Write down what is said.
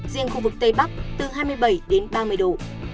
riêng khu vực tây bắc từ hai mươi bảy đến ba mươi độ